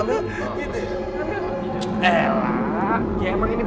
ini boneka yang ada di mimpiku